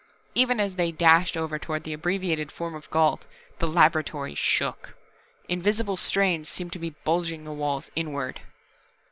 Even as they dashed over toward the abbreviated form of Gault, the laboratory shook. Invisible strains seemed to be bulging the walls inward.